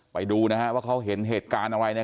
ไปดูว่าเขาเห็นเหตุการณ์อะไร